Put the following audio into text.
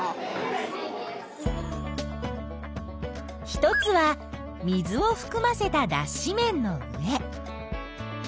一つは水をふくませただっし綿の上。